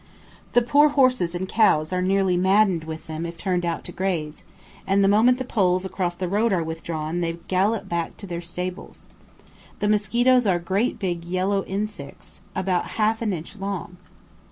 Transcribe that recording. The poor horses and cows are nearly maddened with them if turned out to graze, and the moment the poles across the road are withdrawn they gallop back into their stables. The mosquitoes are great big yellow insects, about half an inch long.